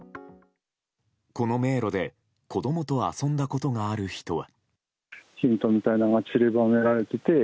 この迷路で子供と遊んだことがある人は。